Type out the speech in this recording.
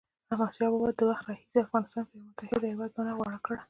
د احمدشاه بابا د وخت راهيسي افغانستان د یوه متحد هېواد بڼه غوره کړه.